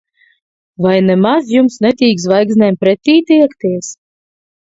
Vai nemaz jums netīk Zvaigznēm pretī tiekties?